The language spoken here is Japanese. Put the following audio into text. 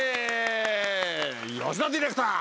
吉田ディレクター！